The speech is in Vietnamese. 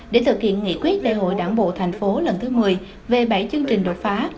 để thực hiện nghị quyết đại hội đảng bộ thành phố lần thứ một mươi về bảy chương trình đột phá